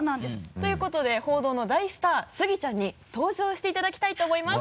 ということで報道の大スタースギちゃんに登場していただきたいと思います。